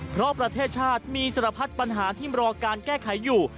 เพราะประเทศชาติมีสารพัดปัญหาที่รอการแก้ไขอยู่